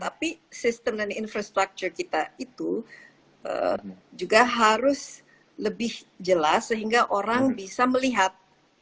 tapi sistem dan infrastructure kita itu juga harus lebih jelas sehingga orang bisa melihat